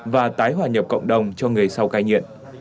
và tái hòa nhập cộng đồng cho người sau cai nghiện